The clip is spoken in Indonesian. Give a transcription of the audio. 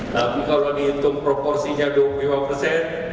tapi kalau dihitung proporsinya dua puluh lima persen